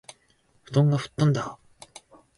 布団が吹っ飛んだあ